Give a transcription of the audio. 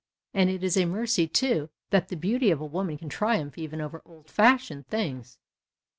And it is a mercy, too, that the beauty of woman can triumph even over " old fashioned " things.